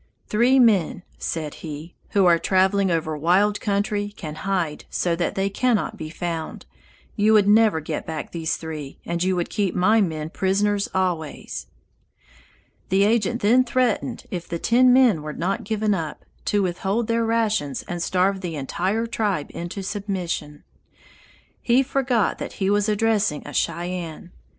"Three men," said he, "who are traveling over wild country can hide so that they cannot be found. You would never get back these three, and you would keep my men prisoners always." The agent then threatened if the ten men were not given up to withhold their rations and starve the entire tribe into submission. He forgot that he was addressing a Cheyenne.